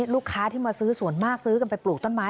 ลูกค้าที่มาซื้อส่วนมากซื้อกันไปปลูกต้นไม้